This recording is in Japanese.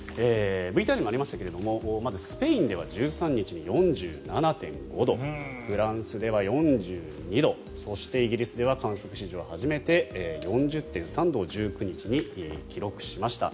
ＶＴＲにもありましたがまず、スペインでは１３日に４７．５度フランスでは４２度そしてイギリスでは観測史上初めて４０．３度を１９日に記録しました。